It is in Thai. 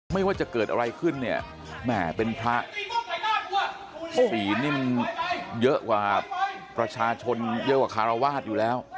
ไม่ว่าจะเกิดอะไรขึ้นเนี่ยแหมเป็นพระสีนิ่มเยอะกว่าประชาชนเยอะกว่าคารวาสอยู่แล้ว